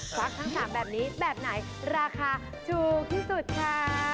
วักทั้ง๓แบบนี้แบบไหนราคาถูกที่สุดคะ